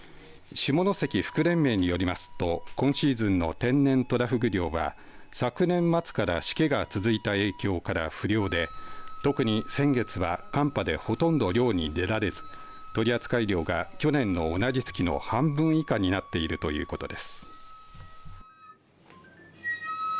下関ふく連盟によりますと今シーズンの天然トラフグ漁は昨年末からしけが続いた影響で不漁で特に先月は寒波でほとんど漁に出られず取扱量が去年の同じ月の半分以下になっているということです。